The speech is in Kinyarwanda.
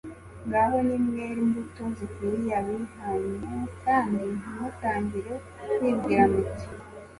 Ngaho nimwere imbuto zikwiriye abihannye, kandi ntimutangire kwibwira muti,